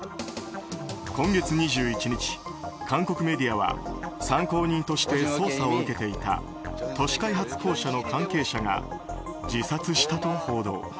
今月２１日、韓国メディアは参考人として捜査を受けていた都市開発公社の関係者が自殺したと報道。